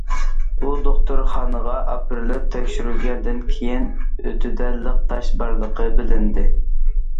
ئۇ دوختۇرخانىغا ئاپىرىلىپ تەكشۈرۈلگەندىن كېيىن، ئۆتىدە لىق تاش بارلىقى بىلىندى.